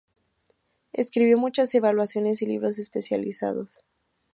Escribió muchas evaluaciones y libros especializados.